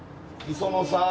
磯野さん？